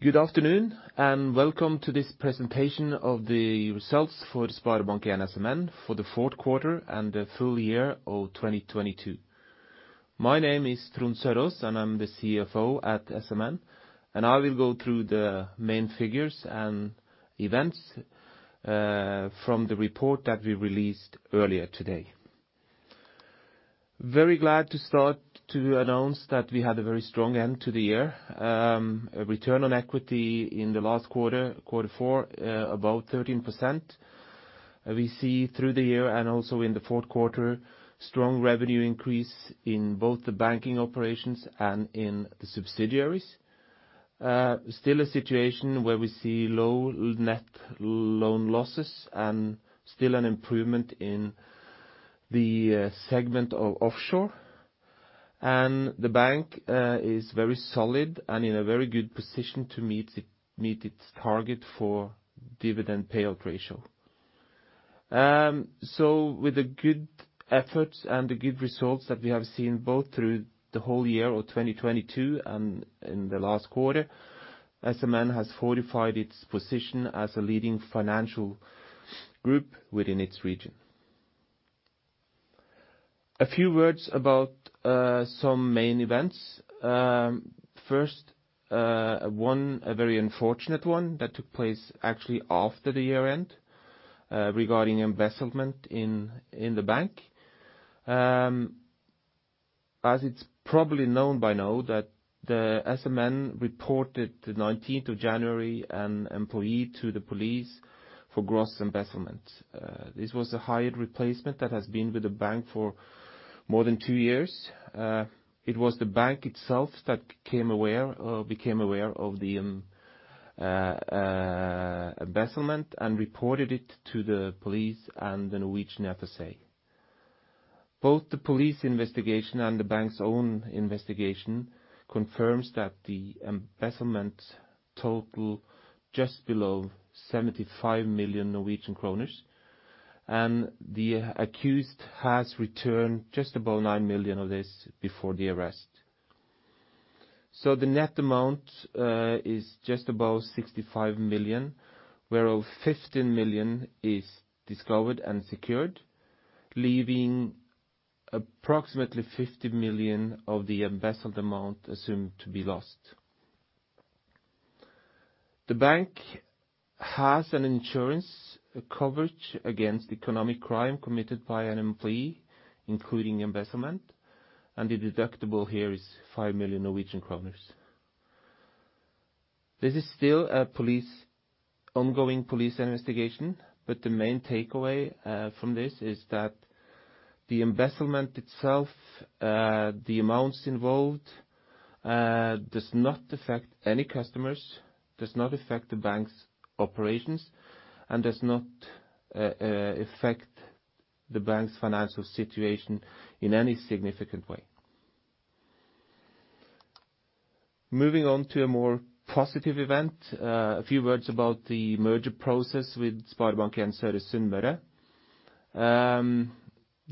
Good afternoon, welcome to this presentation of the results for SpareBank 1 SMN for the fourth quarter and the full year of 2022. My name is Trond Søraas, and I'm the CFO at SMN, and I will go through the main figures and events from the report that we released earlier today. Very glad to start to announce that we had a very strong end to the year. A return on equity in the last quarter four, about 13%. We see through the year, and also in the fourth quarter, strong revenue increase in both the banking operations and in the subsidiaries. Still a situation where we see low net loan losses and still an improvement in the segment of offshore. The bank is very solid and in a very good position to meet its target for dividend payout ratio. With the good efforts and the good results that we have seen both through the whole year of 2022 and in the last quarter, SMN has fortified its position as a leading financial group within its region. A few words about some main events. First, one, a very unfortunate one that took place actually after the year end regarding embezzlement in the bank. As it's probably known by now that the SMN reported the 19th of January an employee to the police for gross embezzlement. This was a hired replacement that has been with the bank for more than two years. It was the bank itself that became aware of the embezzlement and reported it to the police and the Norwegian FSA. Both the police investigation and the bank's own investigation confirms that the embezzlement total just below 75 million Norwegian kroner. The accused has returned just above 9 million of this before the arrest. The net amount is just above 65 million, whereof 15 million is discovered and secured, leaving approximately 50 million of the embezzled amount assumed to be lost. The bank has an insurance coverage against economic crime committed by an employee, including embezzlement, and the deductible here is 5 million Norwegian kroner. This is still a police, ongoing police investigation. The main takeaway from this is that the embezzlement itself, the amounts involved, does not affect any customers, does not affect the bank's operations, and does not affect the bank's financial situation in any significant way. Moving on to a more positive event. A few words about the merger process with Sparebanken Søre Sunnmøre.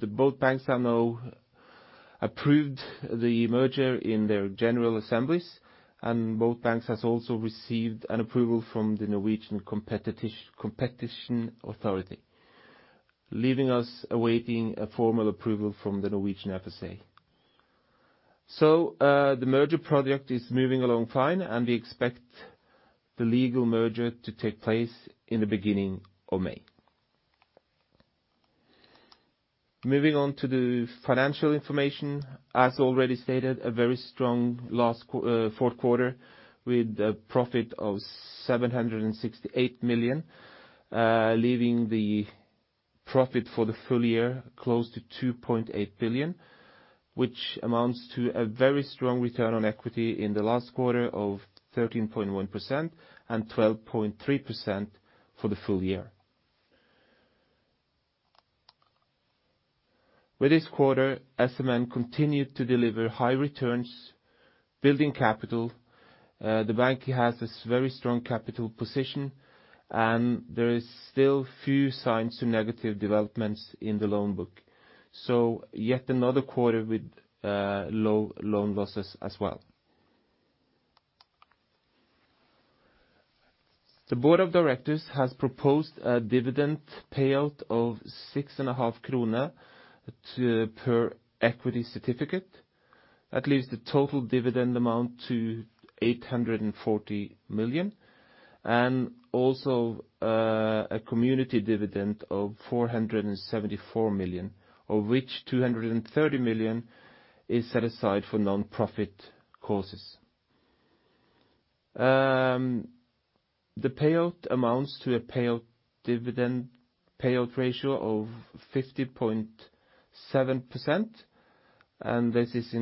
The both banks have now approved the merger in their general assemblies. Both banks has also received an approval from the Norwegian Competition Authority, leaving us awaiting a formal approval from the Norwegian FSA. The merger project is moving along fine, and we expect the legal merger to take place in the beginning of May. Moving on to the financial information. As already stated, a very strong last fourth quarter with a profit of 768 million, leaving the profit for the full year close to 2.8 billion, which amounts to a very strong return on equity in the last quarter of 13.1% and 12.3% for the full year. With this quarter, SMN continued to deliver high returns, building capital. The bank has this very strong capital position, and there is still few signs to negative developments in the loan book. Yet another quarter with low loan losses as well. The board of directors has proposed a dividend payout of 6.50 krone per equity certificate. That leaves the total dividend amount to 840 million. Also, a community dividend of 474 million, of which 230 million is set aside for nonprofit causes. The payout amounts to a payout dividend payout ratio of 50.7%, this is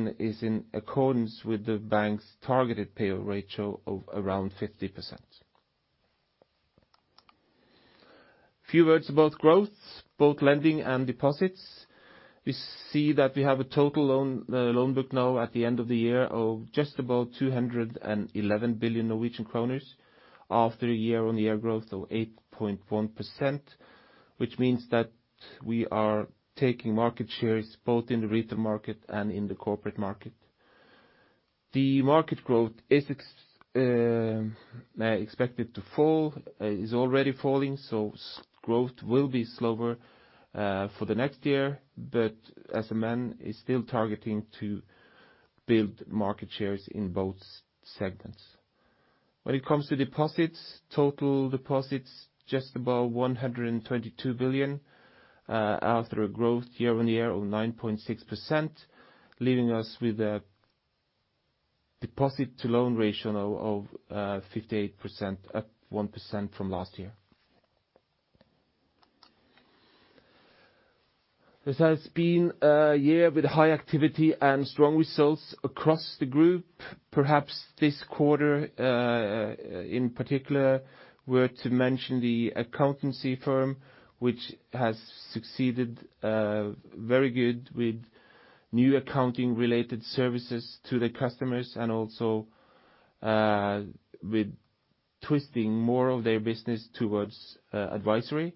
in accordance with the bank's targeted payout ratio of around 50%. Few words about growth, both lending and deposits. We see that we have a total loan book now at the end of the year of just about 211 billion Norwegian kroners. After a year on the air growth of 8.1%, which means that we are taking market shares both in the retail market and in the corporate market. The market growth is expected to fall, is already falling, growth will be slower for the next year, but SMN is still targeting to build market shares in both segments. When it comes to deposits, total deposits just above 122 billion, after a growth year-on-year of 9.6%, leaving us with a deposit to loan ratio of 58%, up 1% from last year. This has been a year with high activity and strong results across the group. Perhaps this quarter, in particular, were to mention the accountancy firm, which has succeeded very good with new accounting related services to the customers and also with twisting more of their business towards advisory.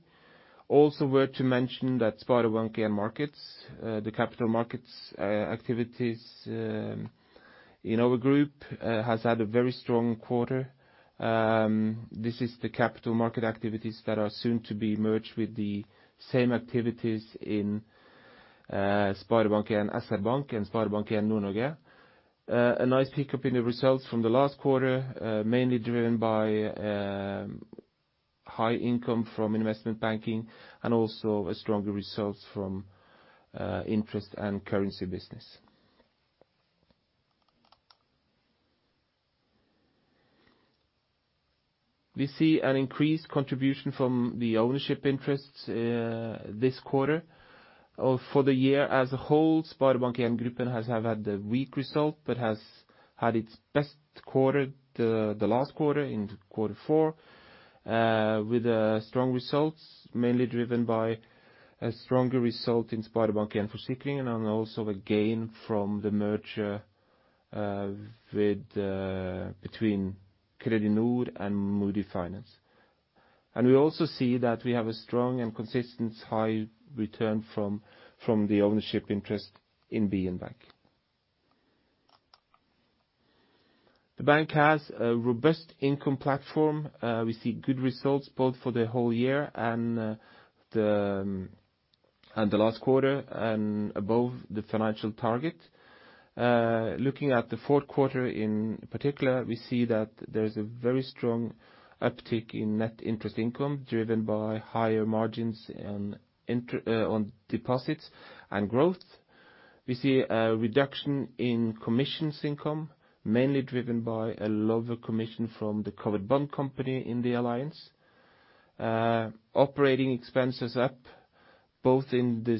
Were to mention that SpareBank 1 Markets, the capital markets activities in our group, has had a very strong quarter. This is the capital market activities that are soon to be merged with the same activities in SpareBank 1 SR-Bank and SpareBank 1 Nord-Norge. A nice pick up in the results from the last quarter, mainly driven by high income from investment banking and also a stronger results from interest and currency business. We see an increased contribution from the ownership interests this quarter. For the year as a whole, SpareBank 1 Gruppen has had the weak result, but has had its best quarter the last quarter, in quarter four, with strong results, mainly driven by a stronger result in SpareBank 1 Forsikring and also a gain from the merger with between Kredinor and Modhi Finance. We also see that we have a strong and consistent high return from the ownership interest in BN Bank. The bank has a robust income platform. We see good results both for the whole year and the last quarter and above the financial target. Looking at the fourth quarter in particular, we see that there is a very strong uptick in net interest income driven by higher margins on deposits and growth. We see a reduction in commissions income, mainly driven by a lower commission from the covered bond company in the alliance. Operating expenses up both in the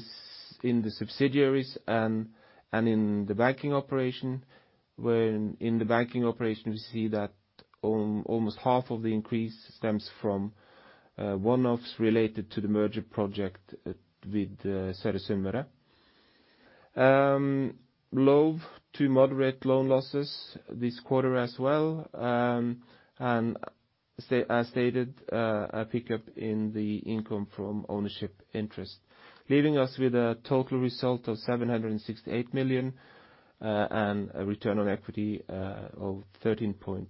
subsidiaries and in the banking operation, when in the banking operation, we see that almost half of the increase stems from one-offs related to the merger project with Søre Sunnmøre. Low to moderate loan losses this quarter as well, and as stated, a pickup in the income from ownership interest, leaving us with a total result of 768 million and a return on equity of 13.1%.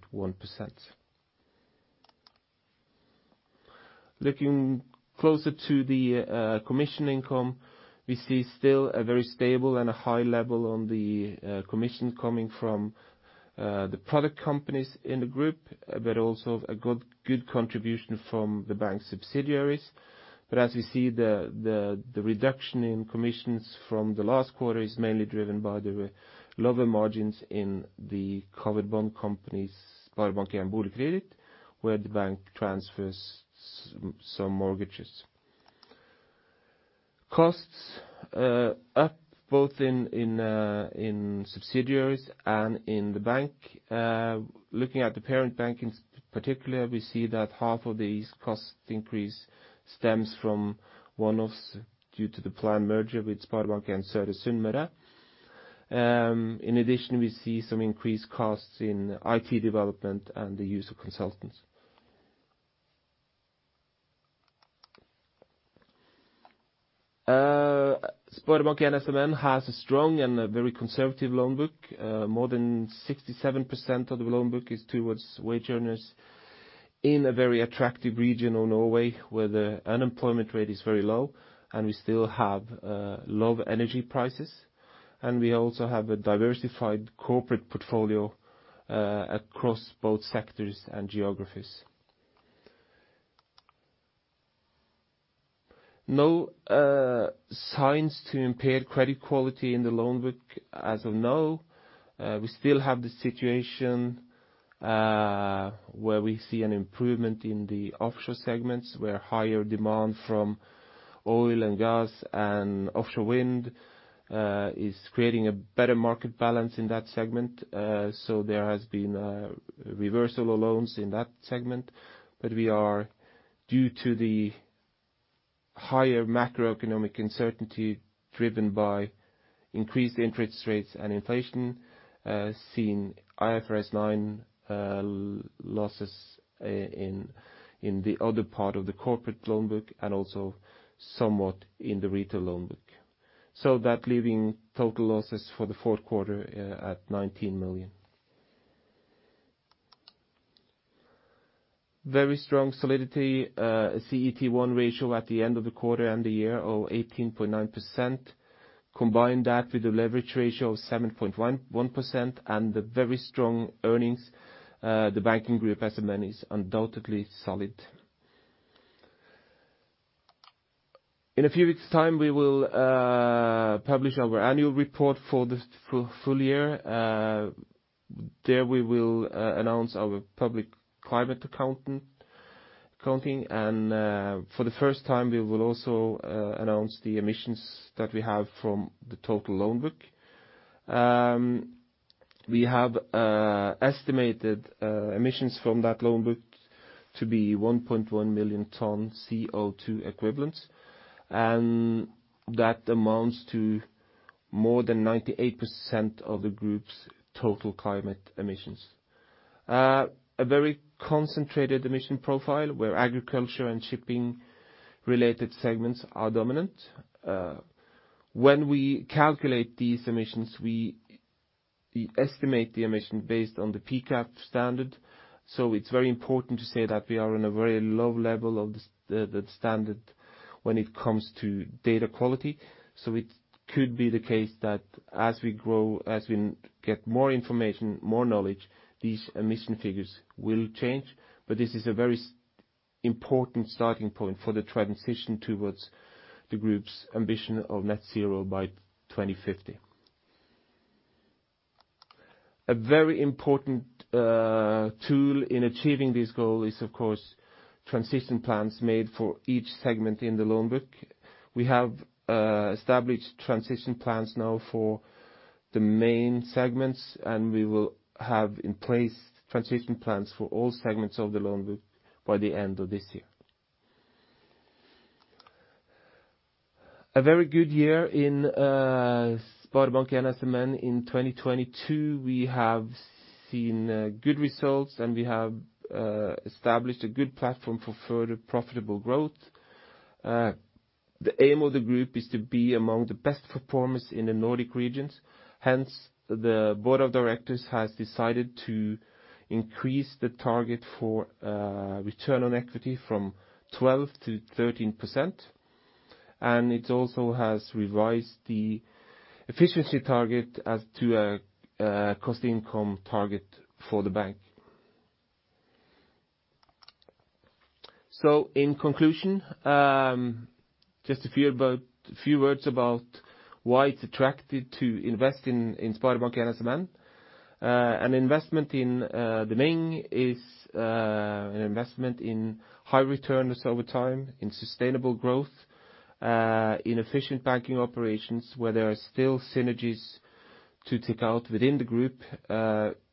Looking closer to the commission income, we see still a very stable and a high level on the commission coming from the product companies in the group, but also a good contribution from the bank subsidiaries. The reduction in commissions from the last quarter is mainly driven by the lower margins in the covered bond companies, SpareBank 1 Boligkreditt, where the bank transfers some mortgages. Costs up both in subsidiaries and in the bank. Looking at the parent bank in particular, we see that half of these cost increase stems from one-offs due to the planned merger with Sparebanken Søre Sunnmøre. In addition, we see some increased costs in IT development and the use of consultants. SpareBank 1 SMN has a strong and a very conservative loan book. More than 67% of the loan book is towards wage earners in a very attractive region of Norway, where the unemployment rate is very low and we still have low energy prices. We also have a diversified corporate portfolio across both sectors and geographies. No, signs to impaired credit quality in the loan book as of now. We still have the situation where we see an improvement in the offshore segments, where higher demand from oil and gas and offshore wind is creating a better market balance in that segment. There has been a reversal of loans in that segment. We are due to the higher macroeconomic uncertainty driven by increased interest rates and inflation, seeing IFRS 9 losses in the other part of the corporate loan book and also somewhat in the retail loan book. That leaving total losses for the fourth quarter at 19 million. Very strong solidity, CET1 ratio at the end of the quarter and the year of 18.9%. Combine that with a leverage ratio of 7.11% and the very strong earnings, the banking group as a many is undoubtedly solid. In a few weeks time we will publish our annual report for the full year. There we will announce our public climate accounting, accounting and for the first time we will also announce the emissions that we have from the total loan book. We have estimated emissions from that loan book to be 1.1 million tons CO2 equivalents and that amounts to more than 98% of the group's total climate emissions. A very concentrated emission profile where agriculture and shipping related segments are dominant. When we calculate these emissions, we estimate the emission based on the PCAF standard. It's very important to say that we are on a very low level of the standard when it comes to data quality. It could be the case that as we grow, as we get more information, more knowledge, these emission figures will change. This is a very important starting point for the transition towards the group's ambition of net zero by 2050. A very important tool in achieving this goal is of course transition plans made for each segment in the loan book. We have established transition plans now for the main segments, and we will have in place transition plans for all segments of the loan book by the end of this year. A very good year in SpareBank 1 SMN in 2022. We have seen good results and we have established a good platform for further profitable growth. The aim of the group is to be among the best performers in the Nordic regions. Hence, the board of directors has decided to increase the target for return on equity from 12% to 13%. It also has revised the efficiency target as to a cost income target for the bank. In conclusion, just a few words about why it's attractive to invest in SpareBank 1 SMN. An investment in the main is an investment in high returns over time, in sustainable growth, in efficient banking operations, where there are still synergies to take out within the group.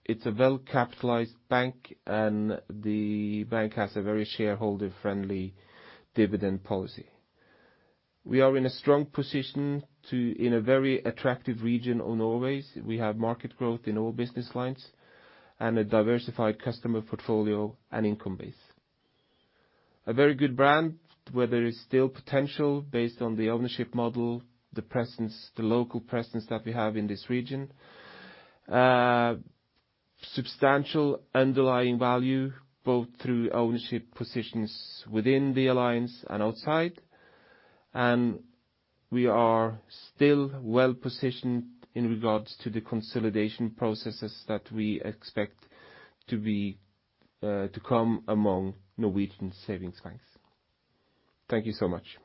It's a well-capitalized bank, and the bank has a very shareholder-friendly dividend policy. We are in a strong position in a very attractive region of Norway. We have market growth in all business lines and a diversified customer portfolio and income base. A very good brand where there is still potential based on the ownership model, the presence, the local presence that we have in this region. Substantial underlying value both through ownership positions within the alliance and outside. We are still well positioned in regards to the consolidation processes that we expect to be to come among Norwegian savings banks. Thank you so much.